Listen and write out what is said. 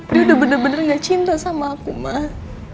dia udah bener bener gak cinta sama aku mah